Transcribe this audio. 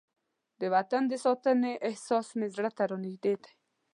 د وطن د ساتنې احساس مې زړه ته نږدې دی.